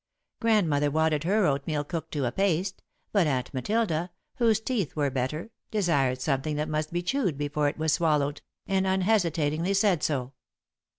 Grandmother wanted her oatmeal cooked to a paste, but Aunt Matilda, whose teeth were better, desired something that must be chewed before it was swallowed, and unhesitatingly said so.